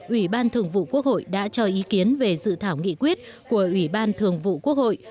ủy ban thường vụ quốc hội đã cho ý kiến về dự thảo nghị quyết của ủy ban thường vụ quốc hội